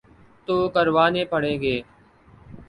تو کروانے پڑیں گے۔